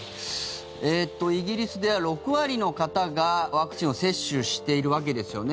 イギリスでは６割の方がワクチンを接種しているわけですよね。